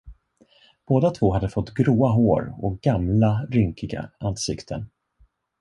Båda två hade fått gråa hår och gamla, rynkiga ansikten.